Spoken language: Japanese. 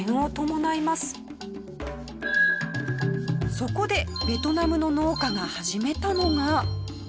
そこでベトナムの農家が始めたのが。